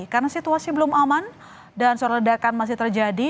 karena situasi belum aman dan soal ledakan masih terjadi